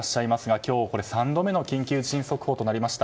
今日３度目の緊急地震速報となりました。